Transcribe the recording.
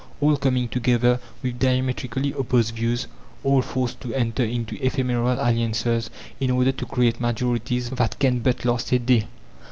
All coming together with diametrically opposed views, all forced to enter into ephemeral alliances, in order to create majorities that can but last a day.